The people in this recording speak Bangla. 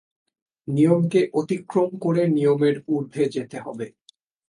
নিয়মকে অতিক্রম করে নিয়মের ঊর্ধ্বে যেতে হবে।